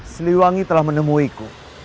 siliwangi telah menemuiku